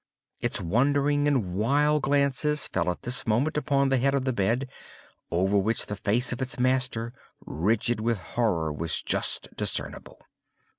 Its wandering and wild glances fell at this moment upon the head of the bed, over which the face of its master, rigid with horror, was just discernible.